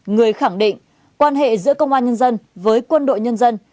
người khẳng định quan hệ giữa công an nhân dân với quân đội nhân dân